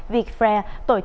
vietfair tổ chức